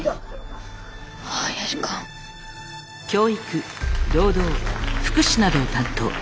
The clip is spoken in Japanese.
教育労働福祉などを担当。